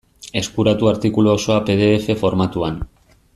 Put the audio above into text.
Eskuratu artikulu osoa pe de efe formatuan.